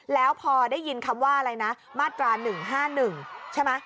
แล้วพอได้ยินคำว่าอะไรนะมาตรา๑๕๑ใช่ไหม